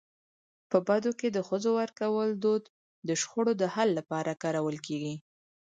په بدو کي د ښځو ورکولو دود د شخړو د حل لپاره کارول کيږي.